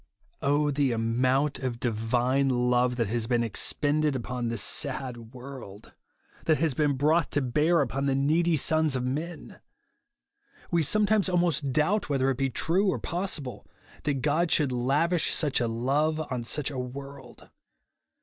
Oh the ptmount of divine love that has been expended upon this sad world ;— that has been brought to bear upon the needy sons of men ! We sometimes almost doubt whether it be true or possible, that God should lavish such a love on such a world.